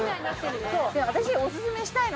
私。